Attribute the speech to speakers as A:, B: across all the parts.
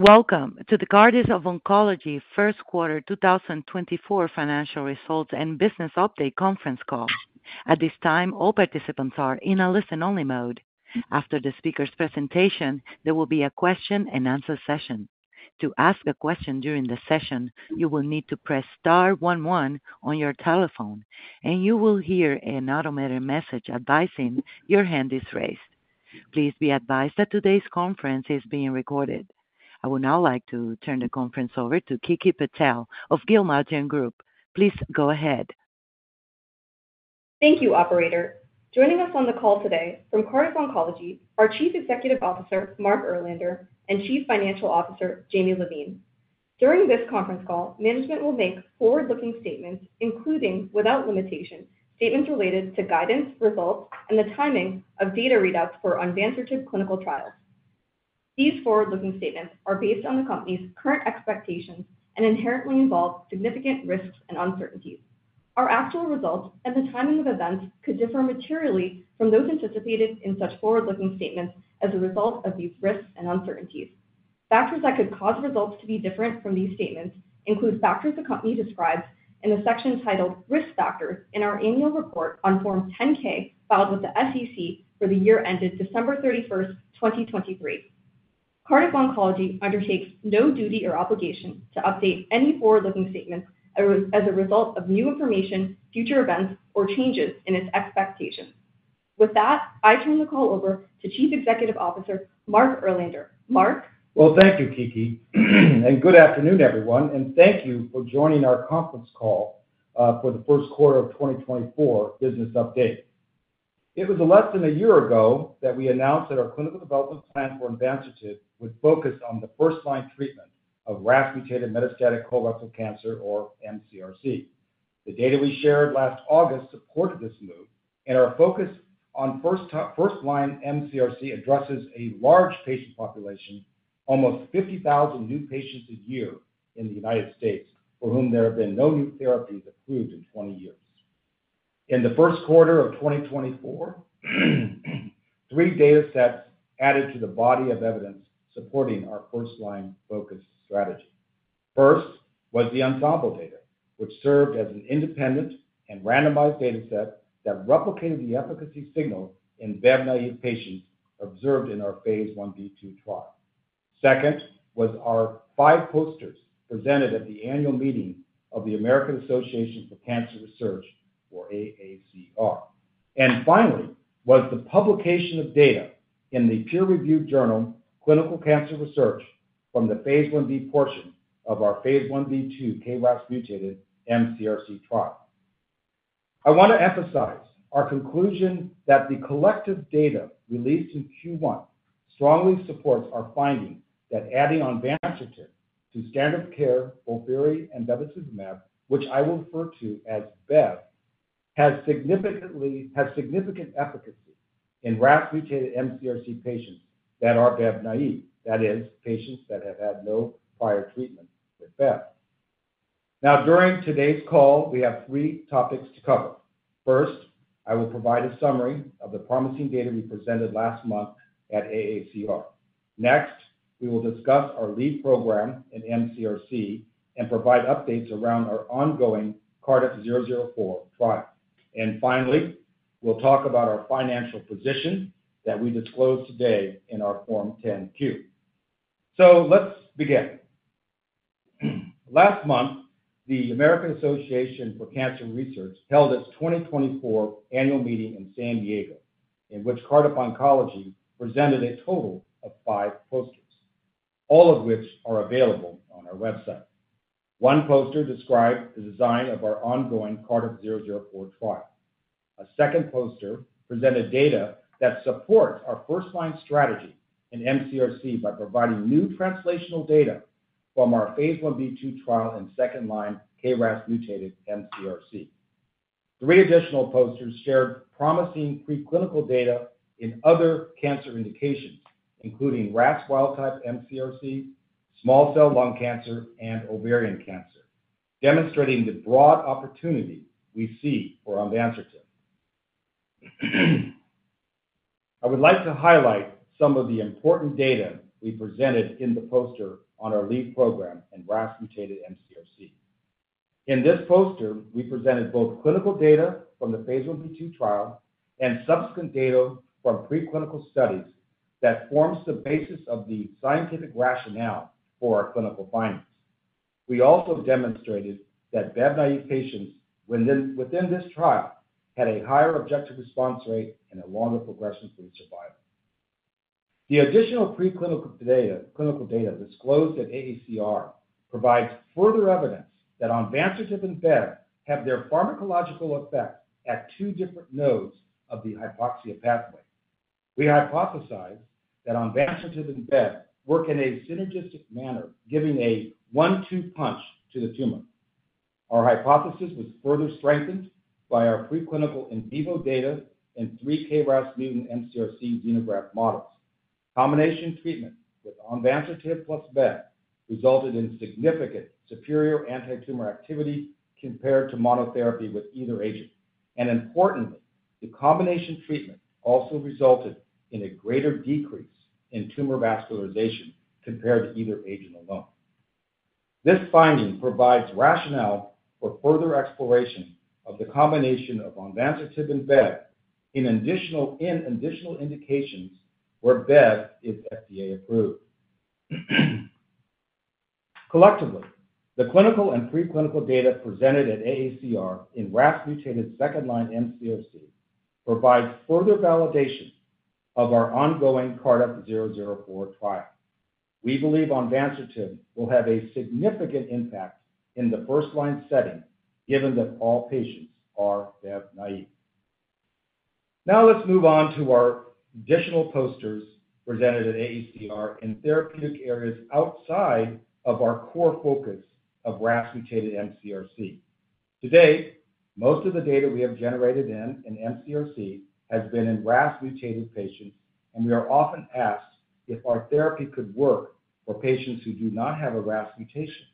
A: Welcome to the Cardiff Oncology First Quarter 2024 financial results and business update conference call. At this time, all participants are in a listen-only mode. After the speaker's presentation, there will be a question-and-answer session. To ask a question during the session, you will need to press star one one on your telephone, and you will hear an automated message advising your hand is raised. Please be advised that today's conference is being recorded. I would now like to turn the conference over to Kiki Patel of Gilmartin Group. Please go ahead.
B: Thank you, operator. Joining us on the call today from Cardiff Oncology, our Chief Executive Officer, Mark Erlander, and Chief Financial Officer, James Levine. During this conference call, management will make forward-looking statements, including without limitation, statements related to guidance, results, and the timing of data readouts for onvansertib clinical trials. These forward-looking statements are based on the company's current expectations and inherently involve significant risks and uncertainties. Our actual results and the timing of events could differ materially from those anticipated in such forward-looking statements as a result of these risks and uncertainties. Factors that could cause results to be different from these statements include factors the company describes in the section titled Risk Factors in our annual report on Form 10-K, filed with the SEC for the year ended December 31, 2023. Cardiff Oncology undertakes no duty or obligation to update any forward-looking statements as a result of new information, future events, or changes in its expectations. With that, I turn the call over to Chief Executive Officer, Mark Erlander. Mark?
C: Well, thank you, Kiki, and good afternoon, everyone, and thank you for joining our conference call for the first quarter of 2024 business update. It was less than a year ago that we announced that our clinical development plan for onvansertib would focus on the first-line treatment of RAS mutated metastatic colorectal cancer, or mCRC. The data we shared last August supported this move, and our focus on first line mCRC addresses a large patient population, almost 50,000 new patients a year in the United States, for whom there have been no new therapies approved in 20 years. In the first quarter of 2024, three datasets added to the body of evidence supporting our first line focus strategy. First, was the ONSEMBLE data, which served as an independent and randomized dataset that replicated the efficacy signal in bev-naive patients observed in our phase 1b/2 trial. Second, was our 5 posters presented at the annual meeting of the American Association for Cancer Research, or AACR. And finally, was the publication of data in the peer-reviewed journal, Clinical Cancer Research, from the phase 1b portion of our phase 1b/2 KRAS mutated mCRC trial. I want to emphasize our conclusion that the collective data released in Q1 strongly supports our finding that adding onvansertib to standard of care, FOLFIRI and bevacizumab, which I will refer to as bev, has significant efficacy in RAS mutated mCRC patients that are bev-naive, that is, patients that have had no prior treatment with bev. Now, during today's call, we have three topics to cover. First, I will provide a summary of the promising data we presented last month at AACR. Next, we will discuss our lead program in mCRC and provide updates around our ongoing CRDF-004 trial. Finally, we'll talk about our financial position that we disclosed today in our Form 10-Q. So let's begin. Last month, the American Association for Cancer Research held its 2024 annual meeting in San Diego, in which Cardiff Oncology presented a total of five posters, all of which are available on our website. One poster described the design of our ongoing CRDF-004 trial. A second poster presented data that supports our first-line strategy in mCRC by providing new translational data from our phase 1b/2 trial in second-line KRAS-mutated mCRC. Three additional posters shared promising preclinical data in other cancer indications, including RAS wild-type mCRC, small cell lung cancer, and ovarian cancer, demonstrating the broad opportunity we see for onvansertib. I would like to highlight some of the important data we presented in the poster on our lead program in RAS mutated mCRC. In this poster, we presented both clinical data from the phase 1b/2 trial and subsequent data from preclinical studies that forms the basis of the scientific rationale for our clinical findings. We also demonstrated that bev-naive patients within this trial had a higher objective response rate and a longer progression-free survival. The additional preclinical data, clinical data disclosed at AACR provides further evidence that onvansertib and bev have their pharmacological effect at two different nodes of the hypoxia pathway. We hypothesized that onvansertib and bev work in a synergistic manner, giving a one-two punch to the tumor. Our hypothesis was further strengthened by our preclinical in vivo data in three KRAS mutant mCRC xenograft models. Combination treatment with onvansertib plus bev resulted in significant superior antitumor activity compared to monotherapy with either agent, and importantly, the combination treatment also resulted in a greater decrease in tumor vascularization compared to either agent alone. This finding provides rationale for further exploration of the combination of onvansertib and bev in additional indications where bev is FDA approved. Collectively, the clinical and preclinical data presented at AACR in RAS-mutated second-line mCRC provides further validation of our ongoing CRDF-004 trial. We believe onvansertib will have a significant impact in the first line setting, given that all patients are bev-naive. Now let's move on to our additional posters presented at AACR in therapeutic areas outside of our core focus of RAS-mutated mCRC. To date, most of the data we have generated in MCRC has been in RAS-mutated patients, and we are often asked if our therapy could work for patients who do not have a RAS mutation.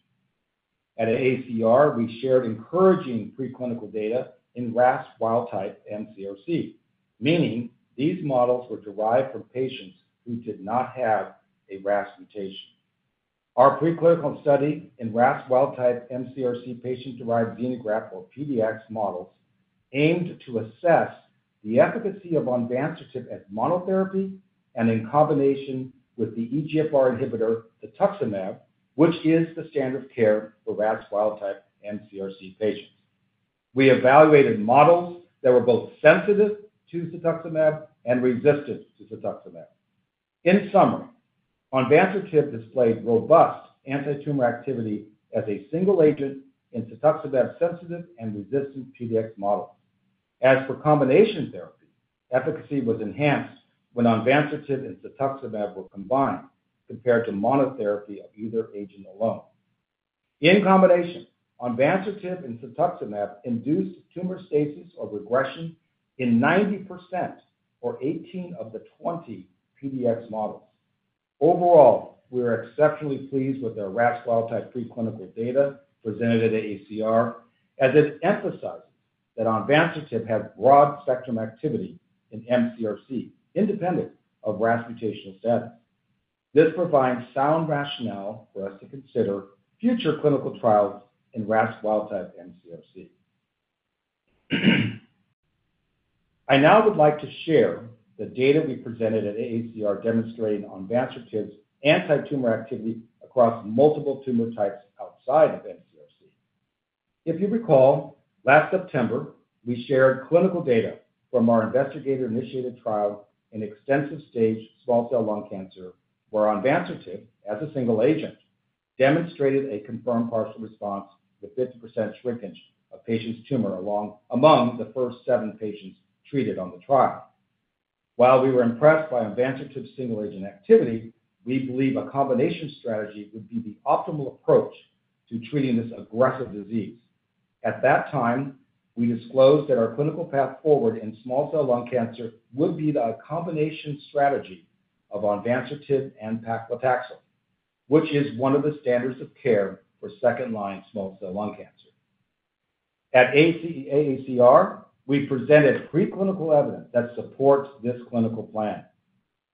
C: At AACR, we shared encouraging preclinical data in RAS wild-type mCRC, meaning these models were derived from patients who did not have a RAS mutation. Our preclinical study in RAS wild-type mCRC patient-derived xenograft, or PDX models, aimed to assess the efficacy of onvansertib as monotherapy and in combination with the EGFR inhibitor cetuximab, which is the standard of care for RAS wild-type mCRC patients. We evaluated models that were both sensitive to cetuximab and resistant to cetuximab. In summary, onvansertib displayed robust antitumor activity as a single agent in cetuximab sensitive and resistant PDX models. As for combination therapy, efficacy was enhanced when onvansertib and cetuximab were combined compared to monotherapy of either agent alone. In combination, onvansertib and cetuximab induced tumor stasis or regression in 90% or 18 of the 20 PDX models. Overall, we are exceptionally pleased with our RAS wild-type preclinical data presented at AACR, as it emphasizes that onvansertib has broad-spectrum activity in mCRC, independent of RAS mutational status. This provides sound rationale for us to consider future clinical trials in RAS wild-type mCRC. I now would like to share the data we presented at AACR demonstrating onvansertib's antitumor activity across multiple tumor types outside of mCRC. If you recall, last September, we shared clinical data from our investigator-initiated trial in extensive stage small cell lung cancer, where onvansertib, as a single agent, demonstrated a confirmed partial response with 50% shrinkage of patient's tumor among the first seven patients treated on the trial. While we were impressed by onvansertib's single-agent activity, we believe a combination strategy would be the optimal approach to treating this aggressive disease. At that time, we disclosed that our clinical path forward in small cell lung cancer would be the combination strategy of onvansertib and paclitaxel, which is one of the standards of care for second-line small cell lung cancer. At AACR, we presented preclinical evidence that supports this clinical plan.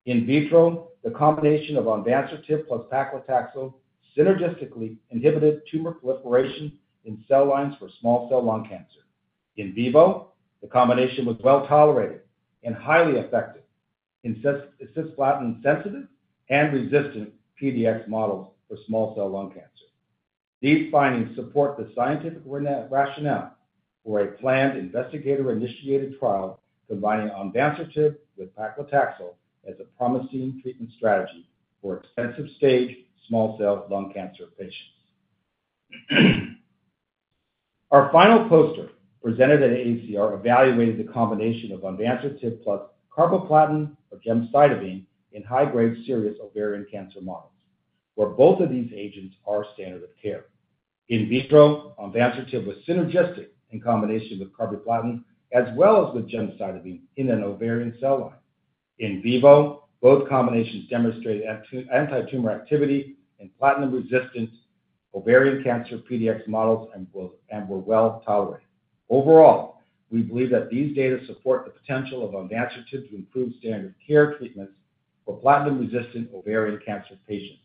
C: In vitro, the combination of onvansertib plus paclitaxel synergistically inhibited tumor proliferation in cell lines for small cell lung cancer. In vivo, the combination was well tolerated and highly effective in cisplatin-sensitive and resistant PDX models for small cell lung cancer. These findings support the scientific rationale for a planned investigator-initiated trial combining onvansertib with paclitaxel as a promising treatment strategy for extensive stage small cell lung cancer patients. Our final poster presented at AACR evaluated the combination of onvansertib plus carboplatin or gemcitabine in high-grade serous ovarian cancer models, where both of these agents are standard of care. In vitro, onvansertib was synergistic in combination with carboplatin, as well as with gemcitabine in an ovarian cell line. In vivo, both combinations demonstrated antitumor activity in platinum-resistant ovarian cancer PDX models and were well tolerated. Overall, we believe that these data support the potential of onvansertib to improve standard care treatments for platinum-resistant ovarian cancer patients.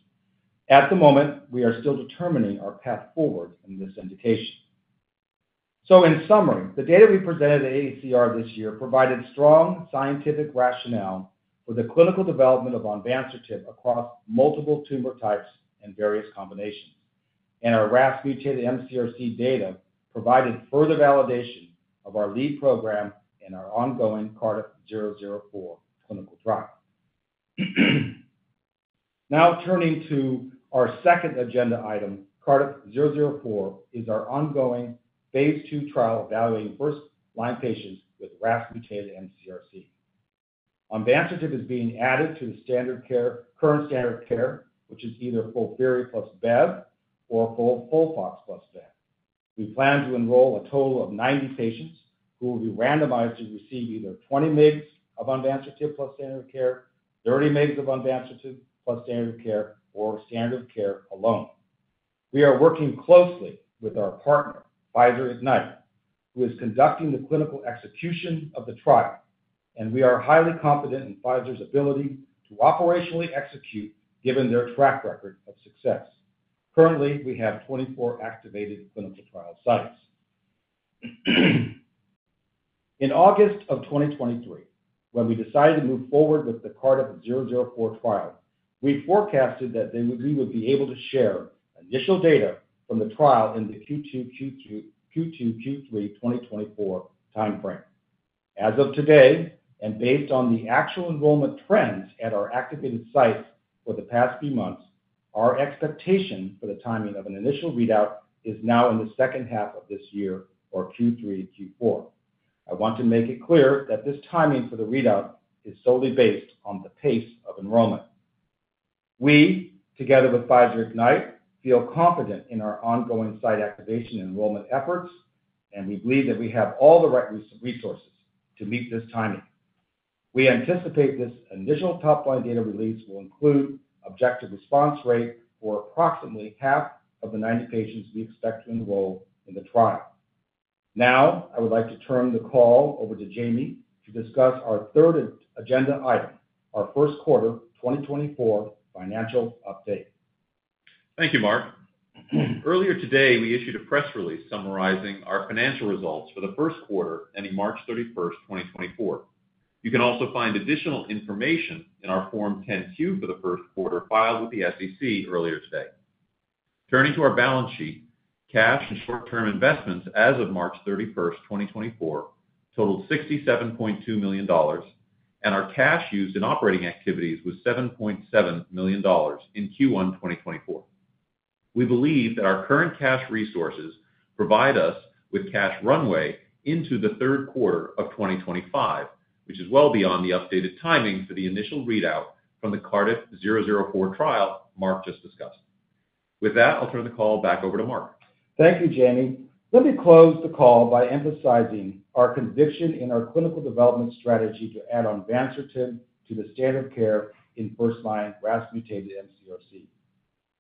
C: At the moment, we are still determining our path forward in this indication. So in summary, the data we presented at AACR this year provided strong scientific rationale for the clinical development of onvansertib across multiple tumor types and various combinations. Our RAS-mutated mCRC data provided further validation of our lead program and our ongoing CRDF-004 clinical trial. Now turning to our second agenda item, CRDF-004 is our ongoing phase II trial evaluating first-line patients with RAS-mutated mCRC. Onvansertib is being added to the standard care, current standard care, which is either FOLFIRI plus bev or FOLFOX plus bev. We plan to enroll a total of 90 patients who will be randomized to receive either 20 mg of onvansertib plus standard of care, 30 mg of onvansertib plus standard of care, or standard of care alone. We are working closely with our partner, Pfizer Ignite, who is conducting the clinical execution of the trial, and we are highly confident in Pfizer's ability to operationally execute given their track record of success. Currently, we have 24 activated clinical trial sites. In August of 2023, when we decided to move forward with the CRDF-004 trial, we forecasted that then we would be able to share initial data from the trial in the Q2, Q2, Q2, Q3 2024 timeframe. As of today, and based on the actual enrollment trends at our activated sites for the past few months, our expectation for the timing of an initial readout is now in the second half of this year or Q3, Q4. I want to make it clear that this timing for the readout is solely based on the pace of enrollment. We, together with Pfizer Ignite, feel confident in our ongoing site activation and enrollment efforts, and we believe that we have all the right resources to meet this timing. We anticipate this initial top-line data release will include objective response rate for approximately half of the 90 patients we expect to enroll in the trial. Now, I would like to turn the call over to Jamie to discuss our third agenda item, our first quarter 2024 financial update.
D: Thank you, Mark. Earlier today, we issued a press release summarizing our financial results for the first quarter, ending March 31, 2024. You can also find additional information in our Form 10-Q for the first quarter, filed with the SEC earlier today. Turning to our balance sheet, cash and short-term investments as of March 31, 2024, totaled $67.2 million, and our cash used in operating activities was $7.7 million in Q1 2024. We believe that our current cash resources provide us with cash runway into the third quarter of 2025, which is well beyond the updated timing for the initial readout from the CRDF-004 trial Mark just discussed. With that, I'll turn the call back over to Mark.
C: Thank you, Jamie. Let me close the call by emphasizing our conviction in our clinical development strategy to add onvansertib to the standard of care in first-line RAS mutated mCRC.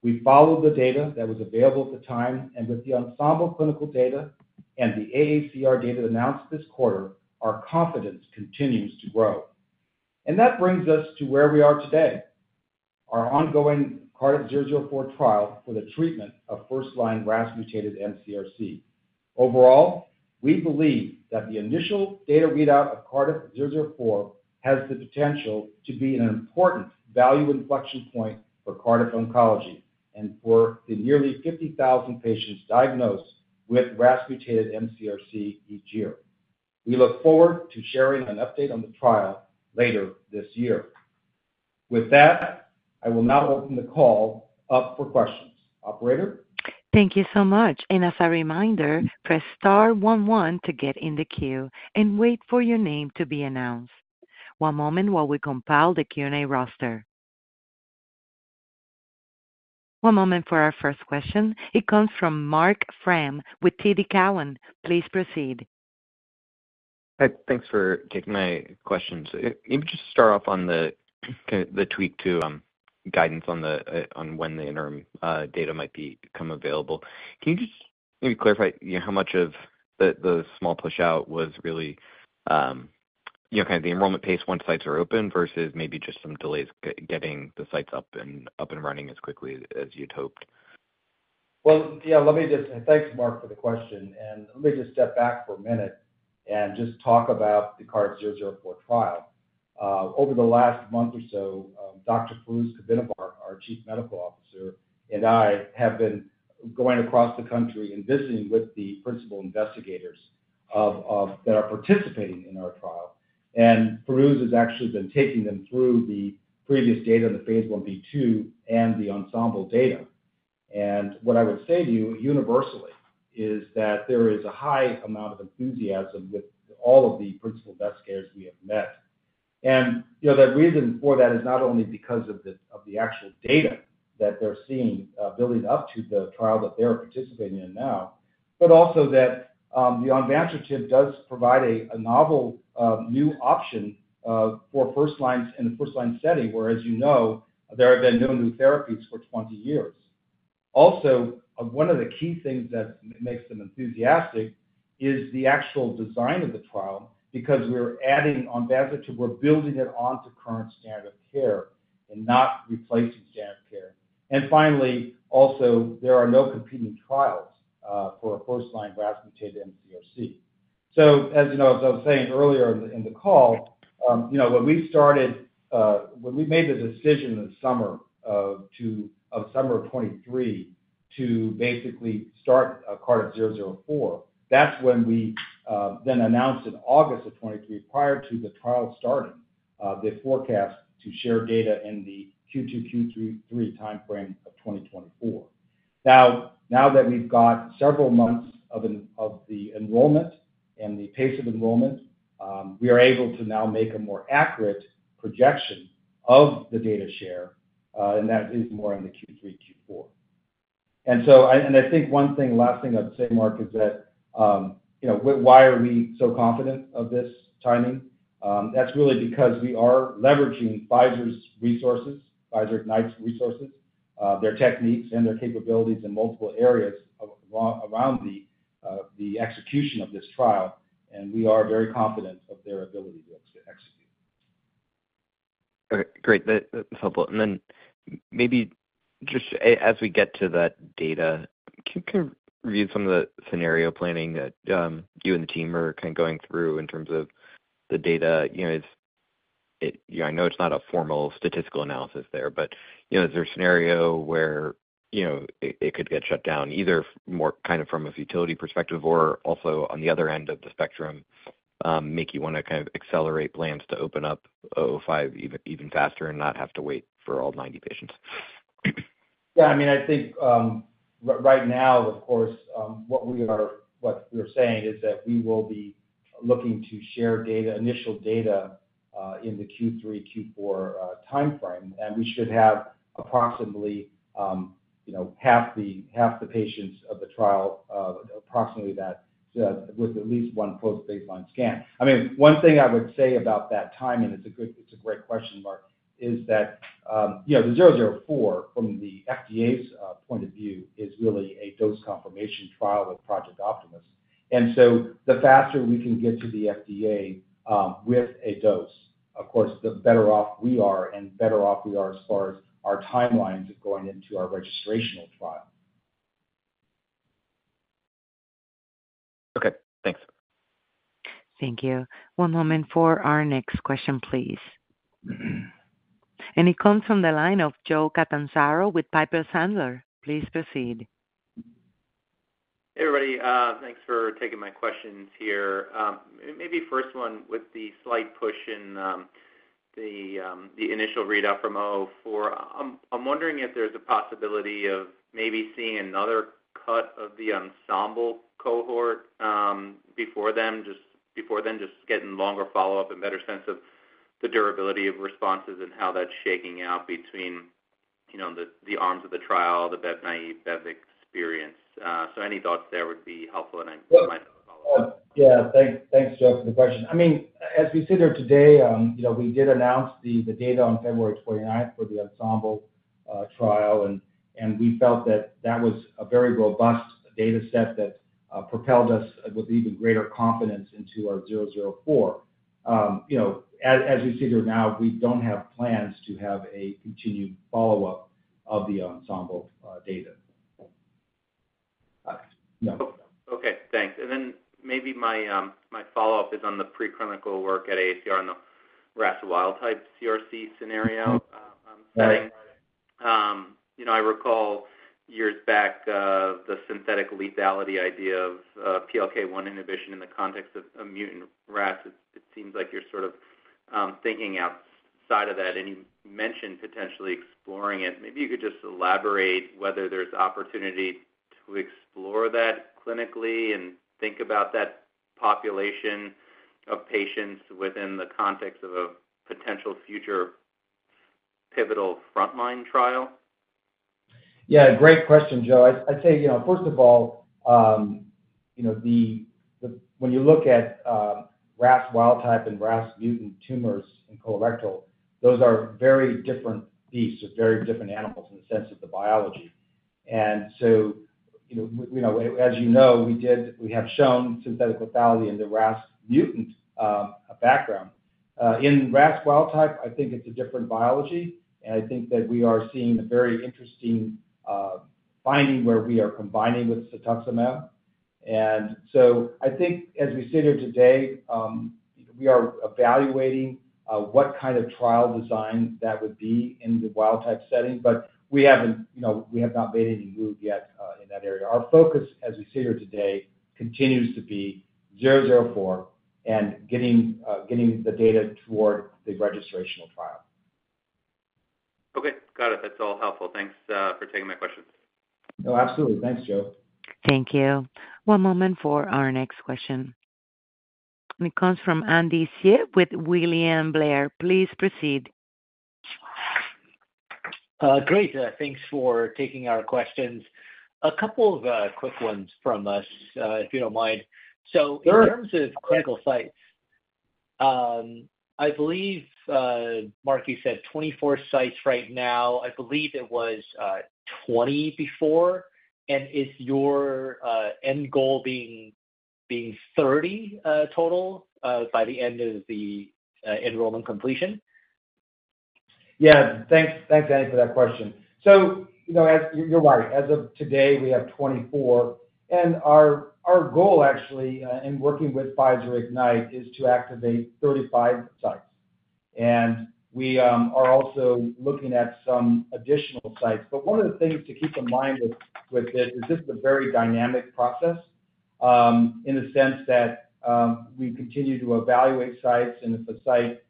C: We followed the data that was available at the time, and with the onvansertib clinical data and the AACR data announced this quarter, our confidence continues to grow. That brings us to where we are today, our ongoing CRDF-004 trial for the treatment of first-line RAS mutated mCRC. Overall, we believe that the initial data readout of CRDF-004 has the potential to be an important value inflection point for Cardiff Oncology and for the nearly 50,000 patients diagnosed with RAS mutated mCRC each year. We look forward to sharing an update on the trial later this year. With that, I will now open the call up for questions. Operator?
A: Thank you so much, and as a reminder, press star one one to get in the queue and wait for your name to be announced. One moment while we compile the Q&A roster. One moment for our first question. It comes from Marc Frahm with TD Cowen. Please proceed.
E: Hi. Thanks for taking my questions. Maybe just start off on the tweak to guidance on when the interim data might become available. Can you just maybe clarify, you know, how much of the small push out was really, you know, kind of the enrollment pace once sites are open versus maybe just some delays getting the sites up and running as quickly as you'd hoped?
C: Well, yeah, let me just Thanks, Marc, for the question, and let me just step back for a minute and just talk about the CRDF-004 trial. Over the last month or so, Dr. Fairooz Kabbinavar, our Chief Medical Officer, and I have been going across the country and visiting with the principal investigators that are participating in our trial. And Fairooz has actually been taking them through the previous data in the Phase 1b/2 and the ONSEMBLE data. And what I would say to you universally is that there is a high amount of enthusiasm with all of the principal investigators we have met. You know, the reason for that is not only because of the actual data that they're seeing building up to the trial that they're participating in now, but also that the onvansertib does provide a novel new option for first line in a first-line setting, where, as you know, there have been no new therapies for 20 years. Also, one of the key things that makes them enthusiastic is the actual design of the trial, because we're adding onvansertib, we're building it onto current standard of care and not replacing standard of care. And finally, also, there are no competing trials for a first-line RAS mutated mCRC. So as you know, as I was saying earlier in the, in the call, you know, when we made the decision in the summer of 2023, to basically start CRDF-004, that's when we then announced in August of 2023, prior to the trial starting, the forecast to share data in the Q2, Q3 timeframe of 2024. Now that we've got several months of the enrollment and the pace of enrollment, we are able to now make a more accurate projection of the data share, and that is more in the Q3, Q4. And so I think one thing, last thing I'd say, Mark, is that, you know, why are we so confident of this timing? That's really because we are leveraging Pfizer's resources, Pfizer Ignite's resources, their techniques and their capabilities in multiple areas around the execution of this trial, and we are very confident of their ability to execute.
E: All right, great. That, that's helpful. And then maybe just as we get to that data, can you kind of review some of the scenario planning that, you and the team are kind of going through in terms of the data? You know, I know it's not a formal statistical analysis there, but, you know, is there a scenario where, you know, it, it could get shut down, either more kind of from a futility perspective, or also on the other end of the spectrum, make you want to kind of accelerate plans to open up 005 even, even faster and not have to wait for all 90 patients?
C: Yeah, I mean, I think, right now, of course, what we're saying is that we will be looking to share data, initial data, in the Q3, Q4 timeframe. And we should have approximately, you know, half the patients of the trial, approximately that, with at least one post-baseline scan. I mean, one thing I would say about that timing, it's a great question, Mark, is that, you know, the 004, from the FDA's point of view, is really a dose confirmation trial with Project Optimus. And so the faster we can get to the FDA, with a dose, of course, the better off we are and better off we are as far as our timelines of going into our registrational trial.
E: Okay, thanks.
A: Thank you. One moment for our next question, please. It comes from the line of Joe Catanzaro with Piper Sandler. Please proceed
F: Hey, everybody, thanks for taking my questions here. Maybe first one, with the slight push in the initial readout from CRDF-004, I'm wondering if there's a possibility of maybe seeing another cut of the onvansertib cohort before then, just getting longer follow-up and better sense of the durability of responses and how that's shaking out between, you know, the arms of the trial, the bev-naive, bev-experienced. So any thoughts there would be helpful, and I might follow up
C: Yeah, thanks, Joe, for the question. I mean, as we sit here today, you know, we did announce the data on February 29 for the ONSEMBLE trial, and we felt that that was a very robust data set that propelled us with even greater confidence into our 004. You know, as we sit here now, we don't have plans to have a continued follow-up of the ONSEMBLE data. Yeah.
F: Okay, thanks. Then maybe my follow-up is on the preclinical work at AACR and the RAS wild type CRC scenario, setting. Mm-hmm. You know, I recall years back, the synthetic lethality idea of PLK1 inhibition in the context of a mutant RAS. It seems like you're sort of thinking outside of that, and you mentioned potentially exploring it. Maybe you could just elaborate whether there's opportunity to explore that clinically and think about that population of patients within the context of a potential future pivotal frontline trial.
C: Yeah, great question, Joe. I'd say, you know, first of all, you know, When you look at RAS wild type and RAS mutant tumors in colorectal, those are very different beasts or very different animals in the sense of the biology. And so, you know, as you know, we have shown synthetic lethality in the RAS mutant background. In RAS wild type, I think it's a different biology, and I think that we are seeing a very interesting finding where we are combining with cetuximab. And so I think as we sit here today, we are evaluating what kind of trial design that would be in the wild type setting, but we haven't, you know, we have not made any move yet in that area. Our focus, as we sit here today, continues to be 004 and getting the data toward the registrational trial.
F: Okay, got it. That's all helpful. Thanks, for taking my questions.
C: Oh, absolutely. Thanks, Joe.
A: Thank you. One moment for our next question. It comes from Andy Hsieh with William Blair. Please proceed.
G: Great. Thanks for taking our questions. A couple of quick ones from us, if you don't mind.
C: Sure.
G: So in terms of clinical sites, I believe, Mark, you said 24 sites right now. I believe it was 20 before. And is your end goal being 30 total by the end of the enrollment completion?
C: Yeah. Thanks, thanks, Andy, for that question. So, you know, as... You're right. As of today, we have 24, and our, our goal actually, in working with Pfizer Ignite, is to activate 35 sites. And we are also looking at some additional sites. But one of the things to keep in mind with, with this, is this is a very dynamic process, in the sense that, we continue to evaluate sites, and if a site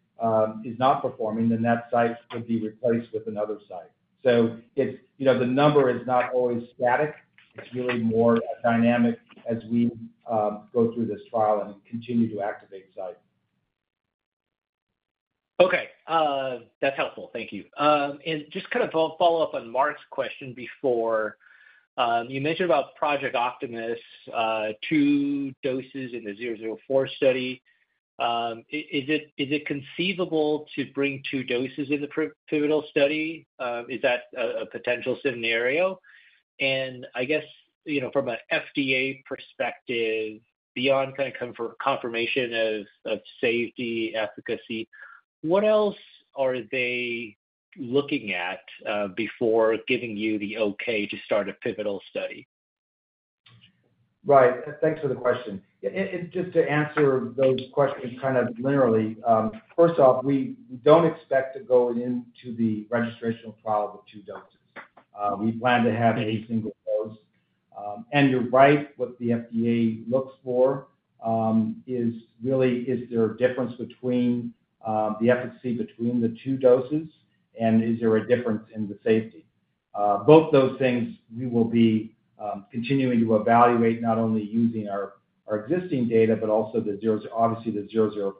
C: is not performing, then that site could be replaced with another site. So it's, you know, the number is not always static. It's really more dynamic as we go through this trial and continue to activate sites.
G: Okay, that's helpful. Thank you. And just kind of follow up on Mark's question before, you mentioned about Project Optimus, two doses in the 004 study. Is it conceivable to bring two doses in the pre-pivotal study? Is that a potential scenario? And I guess, you know, from an FDA perspective, beyond kind of confirmation of safety, efficacy, what else are they looking at before giving you the okay to start a pivotal study?
C: Right. Thanks for the question. And just to answer those questions kind of linearly, first off, we don't expect to go into the registrational trial with two doses. We plan to have a single dose. And you're right, what the FDA looks for is really there a difference between the efficacy between the two doses, and is there a difference in the safety? Both those things we will be continuing to evaluate, not only using our existing data, but also the 004 data,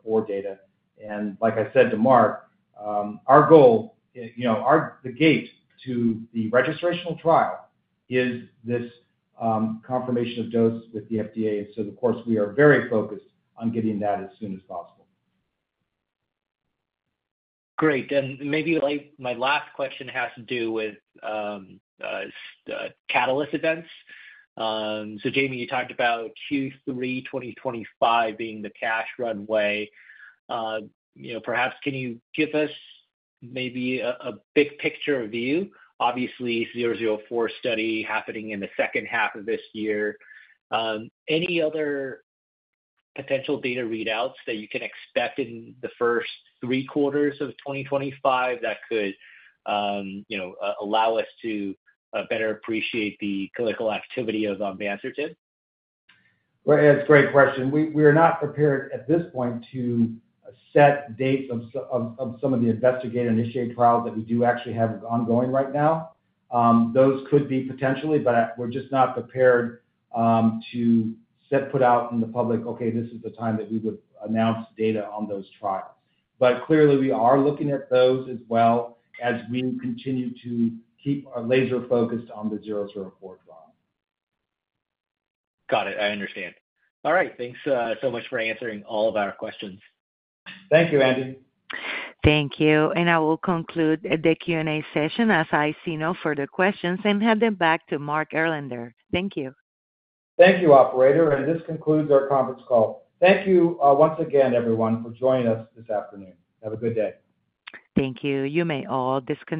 C: obviously. And like I said to Mark, our goal, you know, the gate to the registrational trial is this confirmation of dose with the FDA. So of course, we are very focused on getting that as soon as possible.
G: Great. And maybe like my last question has to do with catalyst events. So Jamie, you talked about Q3 2025 being the cash runway. You know, perhaps can you give us maybe a big picture view? Obviously, 004 study happening in the second half of this year. Any other potential data readouts that you can expect in the first three quarters of 2025 that could allow us to better appreciate the clinical activity of onvansertib?
C: Well, it's a great question. We are not prepared at this point to set dates of some of the investigator-initiated trials that we do actually have ongoing right now. Those could be potentially, but we're just not prepared to set, put out in the public, "Okay, this is the time that we would announce data on those trials." But clearly, we are looking at those as well as we continue to keep our laser focused on the 004 trial.
G: Got it. I understand. All right. Thanks, so much for answering all of our questions.
C: Thank you, Andy.
A: Thank you, and I will conclude the Q&A session, as I see no further questions, and hand them back to Mark Erlander. Thank you.
C: Thank you, operator, and this concludes our conference call. Thank you, once again, everyone, for joining us this afternoon. Have a good day.
A: Thank you. You may all disconnect.